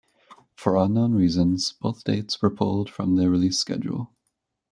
For unknown reasons, both dates were pulled from the release schedule.